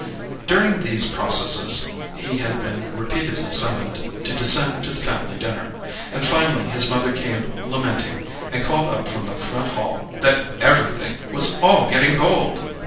During these processes he had been repeatedly summoned to descend to the family dinner, and finally his mother came lamenting and called up from the front hall that "everything" was "all getting cold!"